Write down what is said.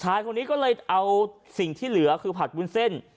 ชายคนนี้ก็เลยเอาสิ่งที่เหลือคือผัดวุ้นเส้น